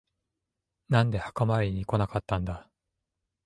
なんで墓参りに来なかったんだ。